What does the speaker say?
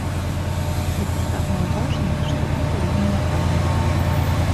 Гэта самае важнае, што ты павінен памятаць.